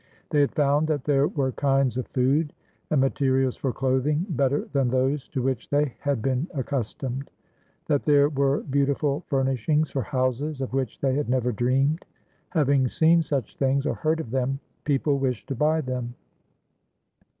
They had found that there were kinds of food and materials for clothing better than those to which they had been accustomed ; that there were beau tiful furnishings for houses of which they had never dreamed. Having seen such things or heard of them, people wished to buy them.